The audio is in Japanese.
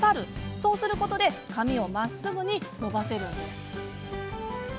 そうすることで髪をまっすぐに伸ばせるんです。